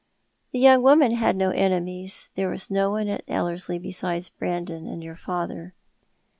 The young woman bad no enemies. There was no one at Ellerslie besides Brandon and your father."